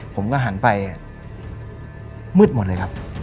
ผมก็หันไปมืดหมดเลยครับ